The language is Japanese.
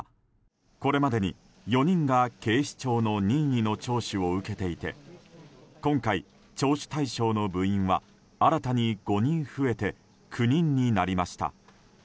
これまでに４人が警視庁の任意の聴取を受けていて今回、聴取対象の部員は新たに５人増えて９人になりました。